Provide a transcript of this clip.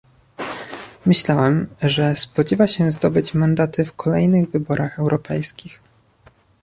Myślałem, że spodziewa się zdobyć mandaty w kolejnych wyborach europejskich